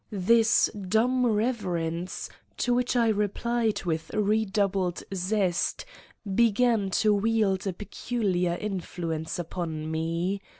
This dumb reverence, to which I replied with re doubled zest, began to wield a peculiar influence upon me.